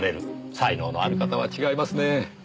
才能のある方は違いますねえ。